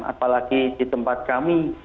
apalagi di tempat kami